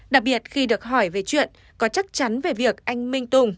đặc biệt khi được hỏi về chuyện có chắc chắn về việc anh minh tùng